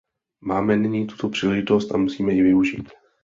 Máme nyní tuto příležitost a musíme jí využít.